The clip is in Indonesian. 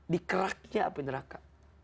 dikeraknya api neraka